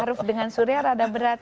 arief dengan surya rada berat